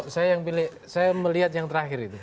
saya yang pilih saya melihat yang terakhir itu